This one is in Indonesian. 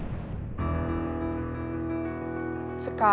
beda sama kakak yang selama ini sayang sama aku